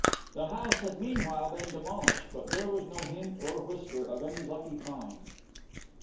The house had meanwhile been demolished but there was no hint or whisper of any lucky find.